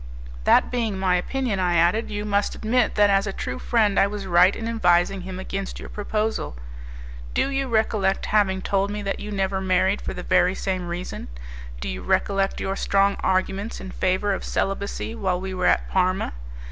"That being my opinion," I added, "you must admit that as a true friend I was right in advising him against your proposal. Do you recollect having told me that you never married for the very same reason? Do you recollect your strong arguments in favour of celibacy while we were at Parma?